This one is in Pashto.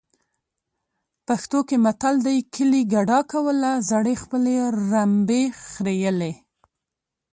پښتو کې متل دی. کلی کډه کوله زړې خپلې رمبې خریلې.